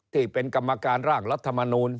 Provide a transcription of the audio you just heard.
ที่เป็นกรรมการร่างรัฐมนูล